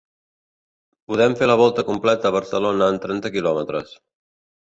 Podem fer la volta completa a Barcelona en trenta quilòmetres.